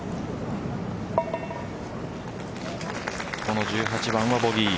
この１８番はボギー。